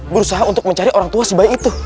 berusaha untuk mencari orang tua si bayi itu